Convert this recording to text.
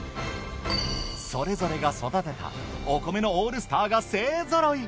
それぞれが育てたお米のオールスターが勢ぞろい。